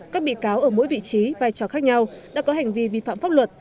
các bị cáo ở mỗi vị trí vai trò khác nhau đã có hành vi vi phạm pháp luật